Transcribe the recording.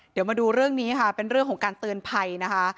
เดี๋ยวมาดูเรื่องนี้ค่ะเป็นเรื่องของการเตือนภัยนะคะ